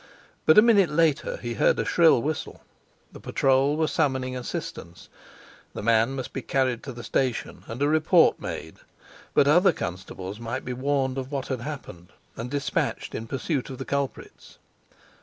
But a minute later he heard a shrill whistle. The patrol were summoning assistance; the man must be carried to the station, and a report made; but other constables might be warned of what had happened, and despatched in pursuit of the culprits.